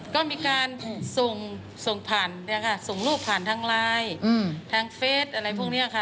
ก็มีการส่งส่งผ่านเนี่ยค่ะส่งรูปผ่านทางไลน์ทางเฟสอะไรพวกนี้ค่ะ